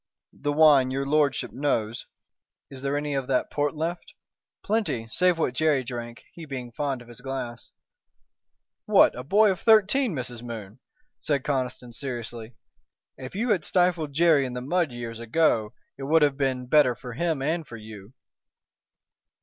The wine your lordship knows " "Is there any of that port left?" "Plenty, save what Jerry drank, he being fond of his glass." "What! a boy of thirteen, Mrs. Moon!" said Conniston, seriously. "If you had stifled Jerry in the mud years ago it would have been better for him and for you."